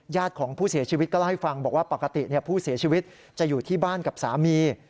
ของผู้เสียชีวิตก็เล่าให้ฟังบอกว่าปกติผู้เสียชีวิตจะอยู่ที่บ้านกับสามี